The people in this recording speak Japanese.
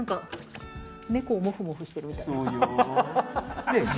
猫をもふもふしてるみたい。